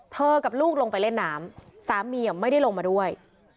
กับลูกลงไปเล่นน้ำสามีไม่ได้ลงมาด้วย